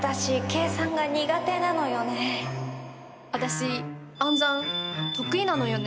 私暗算得意なのよね。